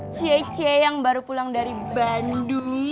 cece yang baru pulang dari bandung